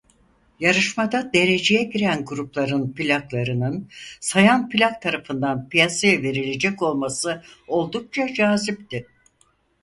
Yarışmada dereceye giren grupların plaklarının Sayan Plak tarafından piyasaya verilecek olması oldukça cazipti.